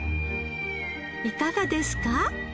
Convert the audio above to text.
いかがですか？